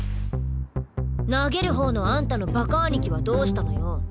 投げる方のあんたのバカ兄貴はどうしたのよ？